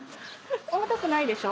重たくないでしょ？